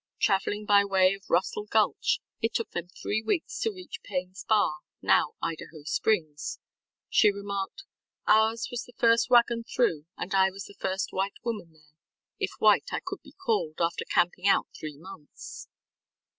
Traveling by way of Russell Gulch, it took them three weeks to reach PayneŌĆÖs Bar, now Idaho Springs. She remarked: ŌĆ£Ours was the first wagon through and I was the first white woman there, if white I could be called, after camping out three months.